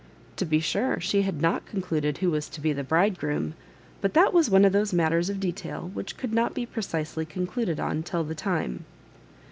To be sure, she had not concluded who was to be the bridegroom ; but that was one of those matters of detail which could not be pre cisely concluded on till the time.